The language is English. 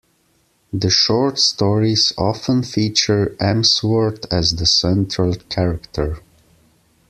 The short stories often feature Emsworth as the central character.